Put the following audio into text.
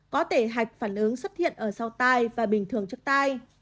có thể hạch phản ứng xuất hiện ở sau tai và bình thường trước tai